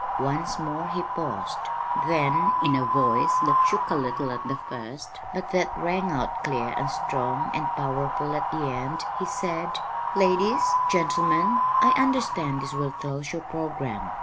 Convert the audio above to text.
Once more he paused. Then, in a voice that shook a little at the first, but that rang out clear and strong and powerful at the end, he said: "Ladies, gentlemen, I understand this will close your programme.